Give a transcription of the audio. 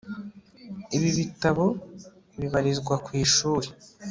ibi bitabo bibarizwa kwishuri